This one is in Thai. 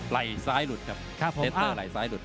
ไหล่ซ้ายหลุดครับเทสเตอร์ไหล่ซ้ายหลุด